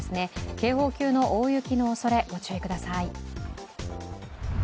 警報級の大雪のおそれ、ご注意ください。